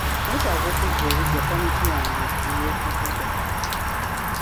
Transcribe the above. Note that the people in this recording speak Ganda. Netaaga okuzza obuggya pamiti yange ey'okuvuga.